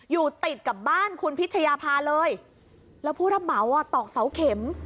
อยู่ติดกับบ้านคุณพิชยาภาเลยแล้วผู้รับเหมาอ่ะตอกเสาเข็ม